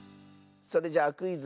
それじゃあ「クイズ！